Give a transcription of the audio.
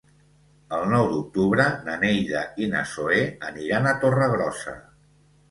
El nou d'octubre na Neida i na Zoè aniran a Torregrossa.